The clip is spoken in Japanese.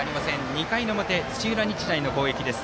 ２回の表、土浦日大の攻撃です。